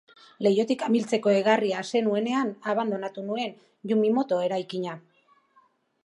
Leihotik amiltzeko egarria ase nuenean abandonatu nuen Yumimoto eraikina.